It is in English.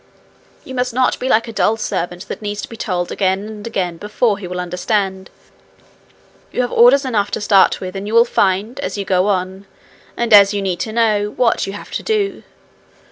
You must not be like a dull servant that needs to be told again and again before he will understand. You have orders enough to start with, and you will find, as you go on, and as you need to know, what you have to do.